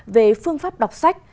về phương pháp đọc sách